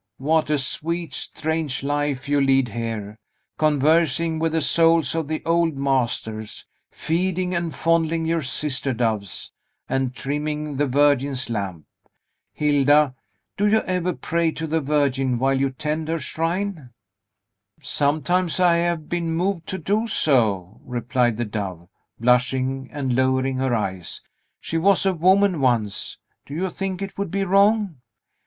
What a sweet, strange life you lead here; conversing with the souls of the old masters, feeding and fondling your sister doves, and trimming the Virgin's lamp! Hilda, do you ever pray to the Virgin while you tend her shrine?" "Sometimes I have been moved to do so," replied the Dove, blushing, and lowering her eyes; "she was a woman once. Do you think it would be wrong?"